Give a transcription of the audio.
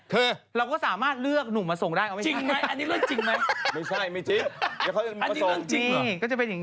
เดี๋ยวอย่าพึ่งอย่าพึ่งใจเย็น